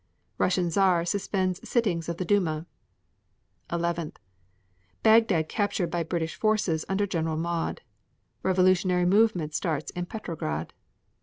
Russian Czar suspends sittings of the Duma. 11. Bagdad captured by British forces under Gen. Maude. 11. Revolutionary movement starts in Petrograd.